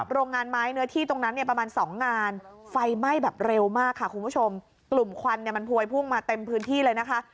โรงงานไม้เนื้อที่ตรงนั้นเนี่ยประมาณสองงานไฟไหม้แบบเร็วมากค่ะคุณผู้ชมกลุ่มควันเนี่ยมันพวยพุ่งมาเต็มพื้นที่เลยนะคะ